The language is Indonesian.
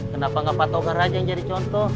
kenapa nggak pak togar aja yang jadi contoh